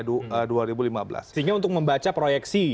sehingga untuk membaca proyeksi